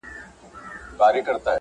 د صادقانه انتظار اصطلاح ولیده